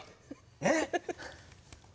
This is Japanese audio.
えっ！